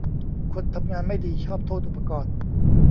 คนทำงานไม่ดีชอบโทษอุปกรณ์